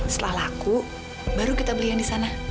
setelah laku baru kita beli yang di sana